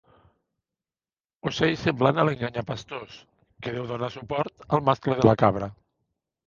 Ocell semblant a l'enganyapastors que deu donar suport al mascle de la cabra.